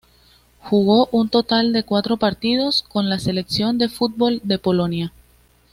Jugó un total de cuatro partidos con la selección de fútbol de Polonia.